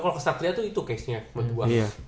kalo ke kesatria tuh itu casenya buat gue